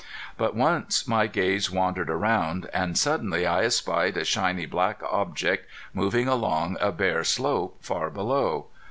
But once my gaze wandered around, and suddenly I espied a shiny black object moving along a bare slope, far below.